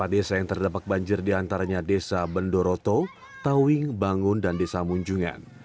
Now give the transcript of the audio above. empat desa yang terdapat banjir diantaranya desa bendoroto tawing bangun dan desa munjungan